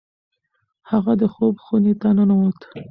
هغه د خوب خونې ته ننوت.